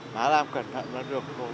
bà làm cẩn thận là được